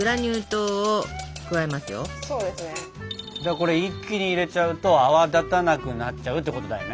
これ一気に入れちゃうと泡立たなくなっちゃうってことだよね。